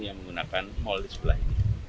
yang menggunakan mal di sebelah ini